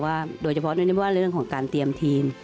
โดยเฉพาะด้วยว่าเรื่องของการเตรียมทีม